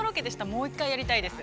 もう一回やりたいです。